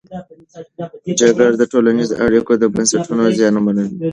جګړه د ټولنیزو اړیکو بنسټونه زیانمنوي.